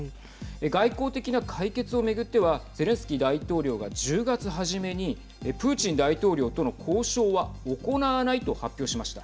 外交的な解決を巡ってはゼレンスキー大統領が１０月初めにプーチン大統領との交渉は行わないと発表しました。